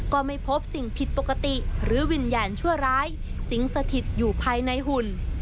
ก็ไม่พบสิ่งผิดปกติหรือวิญญาณชั่วร้ายสิงสถิตอยู่ภายในหุ่น